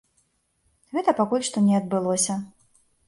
Гэта пакуль што не адбылося.